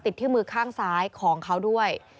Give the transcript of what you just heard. ที่มือข้างซ้ายของเขาด้วย